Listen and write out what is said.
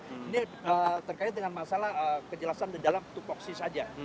tapi terkait dengan masalah kejelasan di dalam tuk foksi saja